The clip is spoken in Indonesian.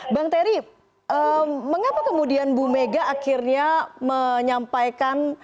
bang terry mengapa kemudian bu mega akhirnya menyampaikan